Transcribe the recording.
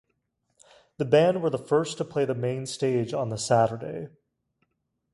The band were the first to play the main stage on the Saturday.